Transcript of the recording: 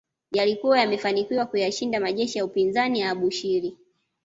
Yalikuwa yamefanikiwa kuyashinda majeshi ya upinzani ya Abushiri